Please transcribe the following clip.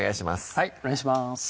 はいお願いします